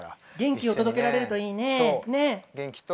元気を届けられるといいね。